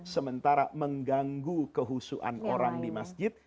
sementara mengganggu kehusuan orang di masjid